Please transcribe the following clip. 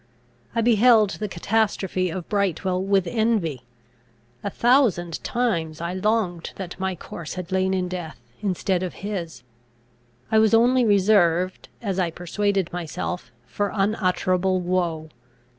I beheld the catastrophe of Brightwel with envy. A thousand times I longed that my corse had lain in death, instead of his. I was only reserved, as I persuaded myself, for unutterable woe.